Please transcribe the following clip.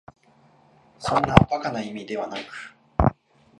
そんな馬鹿な意味ではなく、